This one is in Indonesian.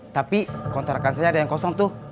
tapi kontrakan saya ada yang kosong tuh